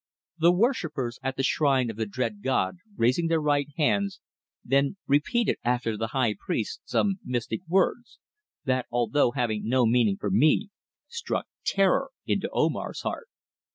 The worshippers at the shrine of the dread god raising their right hands then repeated after the high priest some mystic words that, although having no meaning for me, struck terror into Omar's heart.